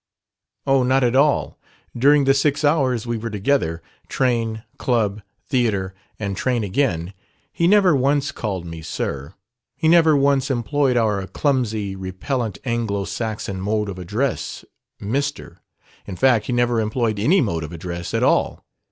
"Oh, not at all. During the six hours we were together train, club, theatre, and train again he never once called me 'sir'; he never once employed our clumsy, repellent Anglo Saxon mode of address, 'mister'; in fact, he never employed any mode of address at all.